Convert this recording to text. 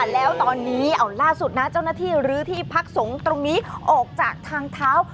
แล้วตอนนี้เอาล่าสุดนะเจ้าหน้าที่ลื้อที่พักสงฆ์ตรงนี้ออกจากทางเท้า